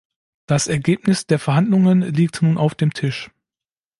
Das Ergebnis der Verhandlungen liegt nun auf dem Tisch.